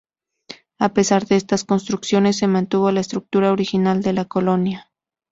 A pesar de estas construcciones se mantuvo la estructura original de la colonia.